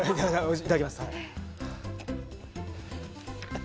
いただきます。